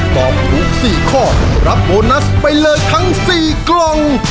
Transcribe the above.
ตอบถูก๔ข้อรับโบนัสไปเลยทั้ง๔กล่อง